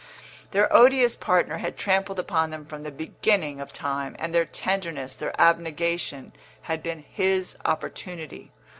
Their odious partner had trampled upon them from the beginning of time, and their tenderness, their abnegation, had been his opportunity.